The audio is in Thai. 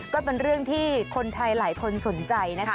ก็เป็นเรื่องที่คนไทยหลายคนสนใจนะคะ